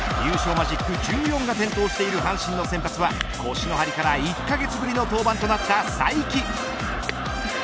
マジック１４が点灯している阪神の先発は腰の張りから１カ月ぶりの登板となった才木。